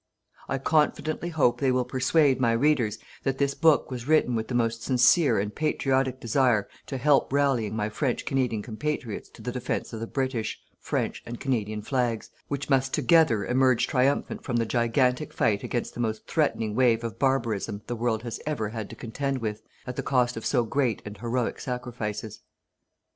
I confidently hope they will persuade my readers that this book was written with the most sincere and patriotic desire to help rallying my French Canadian compatriots to the defence of the British, French and Canadian flags, which must together emerge triumphant from the gigantic fight against the most threatening wave of barbarism the world has ever had to contend with at the cost of so great and heroic sacrifices.